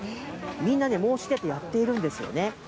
みんなね、申し出てやっているんですよね。